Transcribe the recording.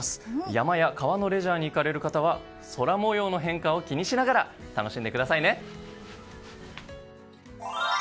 山や川のレジャーに行かれる方は空模様の変化を気にしながら楽しんでくださいね。